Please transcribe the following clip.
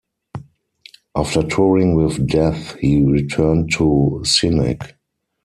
After touring with Death, he returned to Cynic.